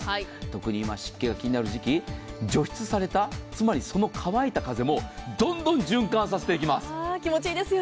特に今、湿気が気になる時期、除湿されたつまり、その乾いた風もどんどん循環させていきます。